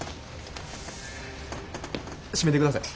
締めてください。